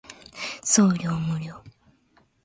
送料無料